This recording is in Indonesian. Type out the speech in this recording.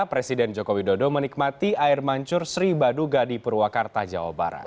presiden joko widodo menikmati air mancur sri baduga di purwakarta jawa barat